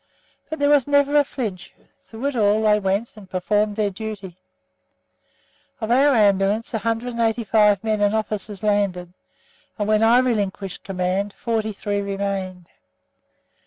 But there was never a flinch; through it all they went, and performed their duty. Of our Ambulance 185 men and officers landed, and when I relinquished command, 43 remained.